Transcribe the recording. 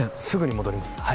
すぐに戻ります